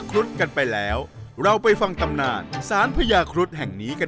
ก็คือเป็นองค์พระยาครุฑิ์เหมือนกัน